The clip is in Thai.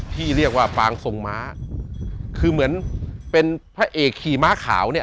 ที่เรียกว่าฟางทรงม้าคือเหมือนเป็นพระเอกขี่ม้าขาวเนี่ย